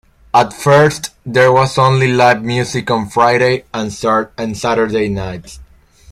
At first there was only live music on Friday and Saturday nights.